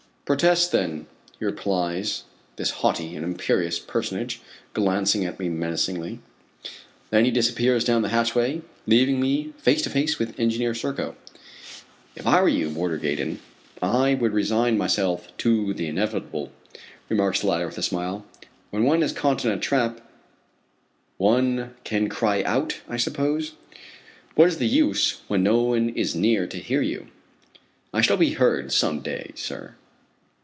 "Protest, then," replies this haughty and imperious personage, glancing at me menacingly. Then he disappears down the hatchway, leaving me face to face with Engineer Serko. "If I were you, Warder Gaydon, I would resign myself to the inevitable," remarks the latter with a smile. "When one is caught in a trap " "One can cry out, I suppose?" "What is the use when no one is near to hear you?" "I shall be heard some day, sir."